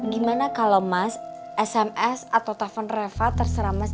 gimana kalau mas sms atau telepon reva terserah mas